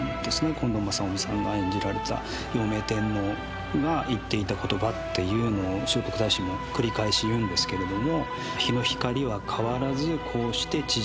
近藤正臣さんが演じられてた用明天皇が言っていた言葉っていうのを聖徳太子も繰り返し言うんですけれども。